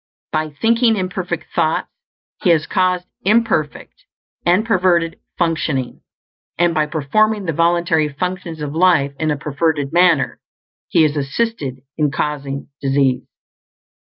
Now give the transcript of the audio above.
By thinking imperfect thoughts he has caused imperfect and perverted functioning; and by performing the voluntary functions of life in a perverted manner, he has assisted in causing disease.